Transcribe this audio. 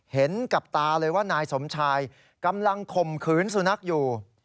เห็นกับตาเลยว่านายสมชายกำลังข่มขืนสุนัขอยู่